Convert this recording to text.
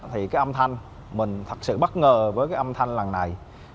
thì cái âm thanh mình thật sự bất ngờ với cái âm thanh lần này